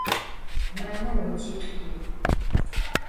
Nane vutit'u yi'.